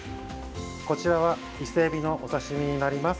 こちらは伊勢えびのお刺身になります。